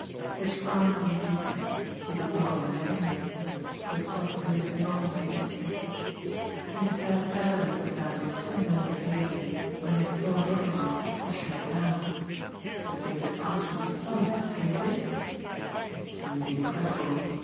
His frown grew deeper he did not understand. But Tocsin did not make mistakes. He had had evidence of that on too many occasions when he had thought otherwise to question it now but David Archman's son in this! It seemed incredible!